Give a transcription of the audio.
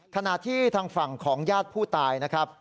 ขณะที่ทางฝั่งของญาติผู้ตายนะครับ